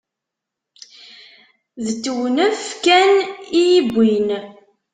D tewnef kan i y-iwwin.